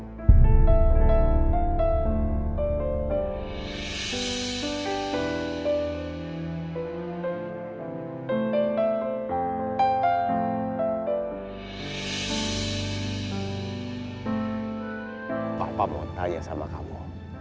tante bella aku mau tanya sama kamu